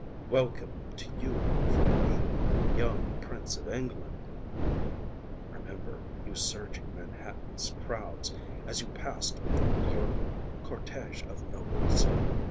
welcome to you from me, young prince of England! (Remember you surging Manhattanâs crowds as you passâd with your cortege of nobles?